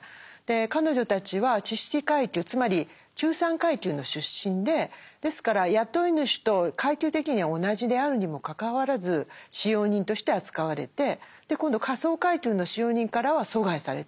彼女たちは知識階級つまり中産階級の出身でですから雇い主と階級的には同じであるにもかかわらず使用人として扱われて今度下層階級の使用人からは疎外されてしまう。